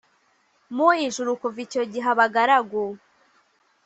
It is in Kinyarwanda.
mu ijuru Kuva icyo gihe abagaragu